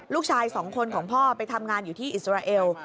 ลูกชายสองคนของพ่อไปทำงานอยู่ที่อิสราเอล